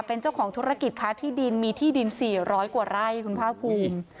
เป็นเจ้าของธุรกิจค้าที่ดินมีที่ดิน๔๐๐กว่าไร่คุณภาคภูมิ